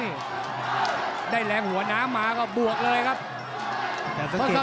มั่นใจว่าจะได้แชมป์ไปพลาดโดนในยกที่สามครับเจอหุ้กขวาตามสัญชาตยานหล่นเลยครับ